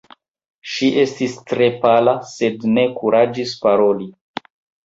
Ŝi estis tre pala, sed ne kuraĝis paroli.